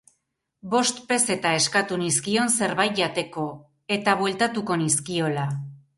Bost pezeta eskatu nizkion zerbait jateko, eta bueltatuko nizkiola.